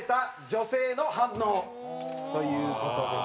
という事です。